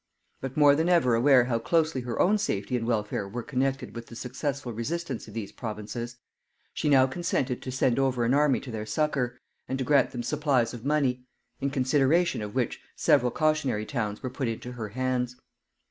But more than ever aware how closely her own safety and welfare were connected with the successful resistance of these provinces, she now consented to send over an army to their succour, and to grant them supplies of money; in consideration of which several cautionary towns were put into her hands.